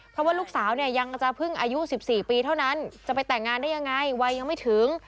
เพราะว่าลูกสาวเนี่ยยังจะเพิ่งอายุ๑๔ปีเท่านั้นจะไปแต่งงานได้ยังไงวัยยังไม่ถึง